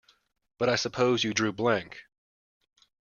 But I suppose you drew blank?